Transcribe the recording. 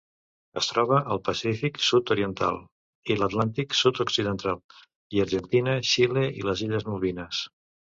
Es troba al Pacífic sud-oriental i l'Atlàntic sud-occidental: l'Argentina, Xile i les illes Malvines.